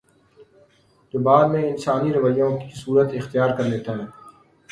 جو بعد میں انسانی رویوں کی صورت اختیار کر لیتا ہے